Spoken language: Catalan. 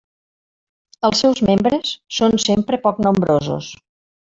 Els seus membres són sempre poc nombrosos.